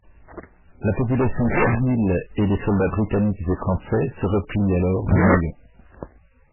La population civile et des soldats britanniques et français se replient alors dans Noyon.